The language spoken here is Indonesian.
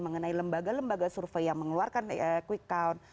mengenai lembaga lembaga survei yang mengeluarkan quick count